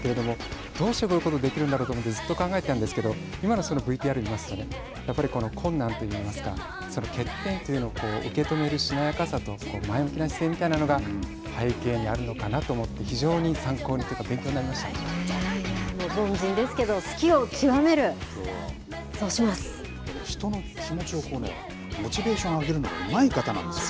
どうしてこういうことができるだろうとずっと考えたんですが今のＶＴＲ見ますとやっぱり困難といいますか欠点というのを受け止めるしなやかさと前向きな姿勢みたいなのが背景にあるのかなと思って凡人ですけど、好きを極める人の気持ちをモチベーションを上げるのがうまい方です。